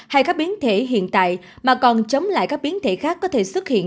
hay các biến thể hiện tại mà còn chống lại các biến thể khác có thể xuất hiện